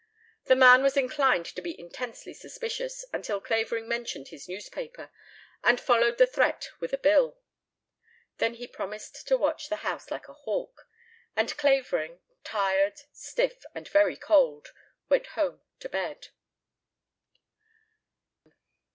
The man was inclined to be intensely suspicious until Clavering mentioned his newspaper and followed the threat with a bill. Then he promised to watch the house like a hawk, and Clavering, tired, stiff, and very cold, went home to bed.